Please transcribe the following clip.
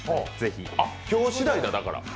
あっ、今日しだいだ！